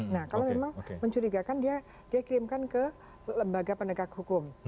nah kalau memang mencurigakan dia kirimkan ke lembaga penegak hukum